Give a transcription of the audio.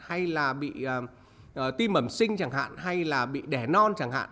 hay là bị tim bẩm sinh chẳng hạn hay là bị đẻ non chẳng hạn